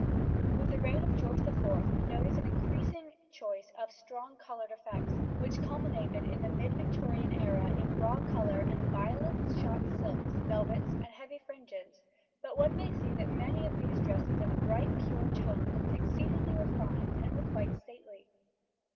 With the reign of George IV we notice an increasing choice of strong coloured effects, which culminated in the mid Victorian era in raw colour and violent shot silks, velvets, and heavy fringes, but one may see that many of these dresses of bright pure tone looked exceedingly refined and were quite stately.